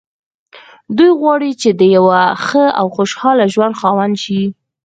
دوی غواړي چې د يوه ښه او خوشحاله ژوند خاوندان شي.